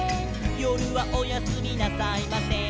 「よるはおやすみなさいません」